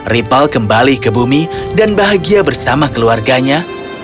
ripal kembali ke bumi dan bahagia bersama keluarganya